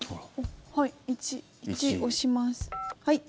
はい、「１」押します。